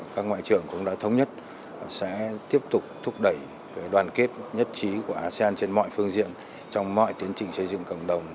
các ngoại trưởng cũng đã thống nhất sẽ tiếp tục thúc đẩy đoàn kết nhất trí của asean trên mọi phương diện trong mọi tiến trình xây dựng cộng đồng